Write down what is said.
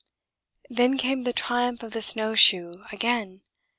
Then came the triumph of the snow shoe again.